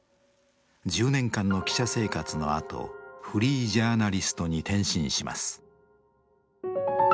１０年間の記者生活のあとフリージャーナリストに転身します。